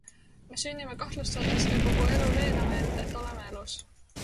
Me sünnime kahtlustades ja kogu elu veename end, et oleme elus.